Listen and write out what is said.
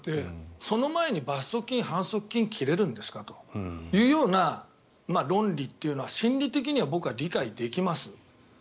その前に罰則金、反則金を切れるんですかというような論理は心理的には僕は理解できます。